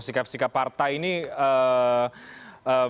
sikap sikap partai ini eee